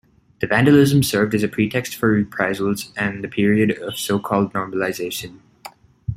The vandalism served as a pretext for reprisals and the period of so-called normalization.